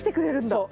そう。